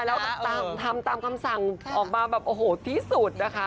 แล้วทำตามคำสั่งออกมาแบบโอ้โหที่สุดนะคะ